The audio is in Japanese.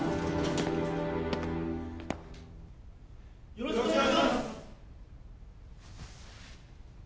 「よろしくお願いします」